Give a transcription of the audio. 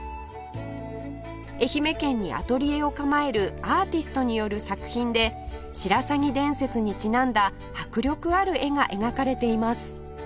愛媛県にアトリエを構えるアーティストによる作品で白鷺伝説にちなんだ迫力ある絵が描かれています